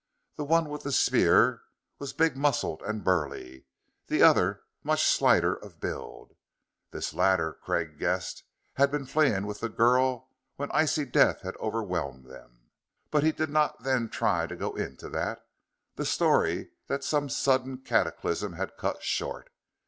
The one with the spear was big muscled and burly; the other much slighter of build. This latter, Craig guessed, had been fleeing with the girl when icy death had overwhelmed them. But he did not then try to go into that, the story that some sudden cataclysm had cut short.